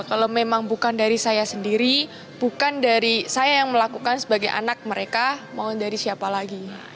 kalau memang bukan dari saya sendiri bukan dari saya yang melakukan sebagai anak mereka mau dari siapa lagi